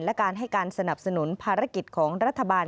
และการให้การสนับสนุนภารกิจของรัฐบาล